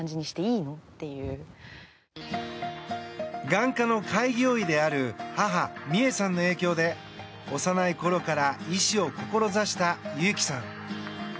眼科の開業医である母美恵さんの影響で幼いころから医師を志した有紀さん。